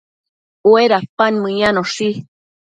Uedapan meyanoshi